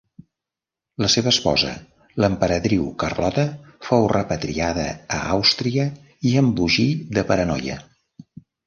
La seva esposa, l'emperadriu Carlota, fou repatriada a Àustria i embogí de paranoia.